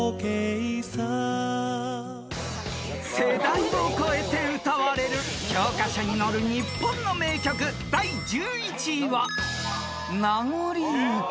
［世代を超えて歌われる教科書に載る日本の名曲第１１位は］